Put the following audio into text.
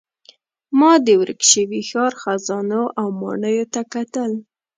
ما د ورک شوي ښار خزانو او ماڼیو ته کتل.